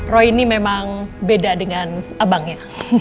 roy ini memang beda dengan abangnya